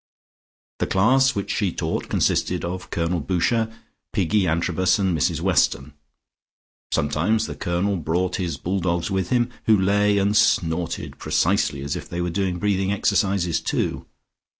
The class which she taught consisted of Colonel Boucher, Piggy Antrobus and Mrs Weston: sometimes the Colonel brought his bull dogs with him, who lay and snorted precisely as if they were doing breathing exercises, too.